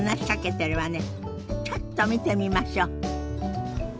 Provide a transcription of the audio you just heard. ちょっと見てみましょ。